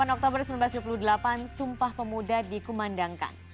delapan oktober seribu sembilan ratus dua puluh delapan sumpah pemuda dikumandangkan